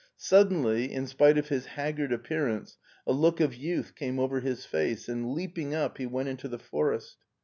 Suddenly, in spite of his haggard appearance, a look of youth came over his face, and leaping up he went into the forest.